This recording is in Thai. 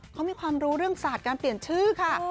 เขามีความรู้เรื่องศาสตร์การเปลี่ยนชื่อค่ะ